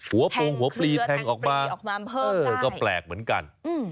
หัวโภงหัวปลีแทงออกมาออกมาเพิ่มก็แปลกเหมือนกัน